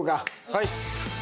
はい。